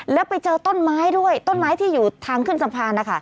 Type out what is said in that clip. แล้วไปเจอต้นไม้ด้วยต้นไม้ที่อยู่ทางขึ้นสะพานนะคะ